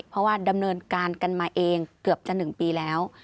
เพราะว่าดำเนินการกันมาเองเกือบจะ๑ปีแล้ว